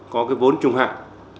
có cái vốn trung hạn